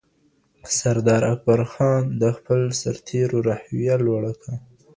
سردار اکبرخان د خپل سرتېرو روحیه لوړه کړه.